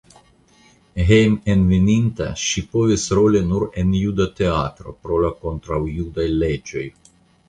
Hejmenveninta ŝi povis roli nur en juda teatro pro la kontraŭjudaj leĝoj.